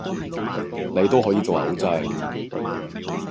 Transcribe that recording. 你都可以做偶像